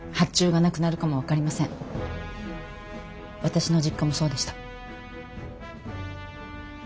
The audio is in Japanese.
私の実家もそうでした。